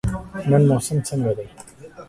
نن موسم څنګه دی؟